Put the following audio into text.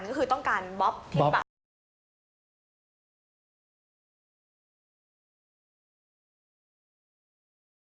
ก็คือต้องการบ๊อบที่แบบ